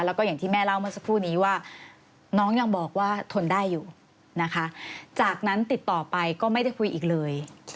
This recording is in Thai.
แล้วก็อย่างที่แม่เล่าเมื่อสักครู่นี้ว่าน้องยังบอกว่าทนได้อยู่นะคะจากนั้นติดต่อไปก็ไม่ได้คุยอีกเลย